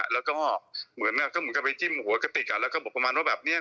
แล้วก็เหมือนก็ไปจิ้มหัวกระติกอ่ะแล้วก็บอกประมาณว่าแบบเนี้ย